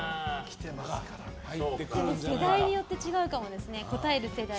世代によって違うかもですね。